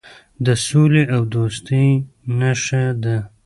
د سولې او دوستۍ نښه ده.